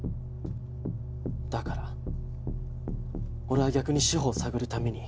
だから俺は逆に志法を探るために。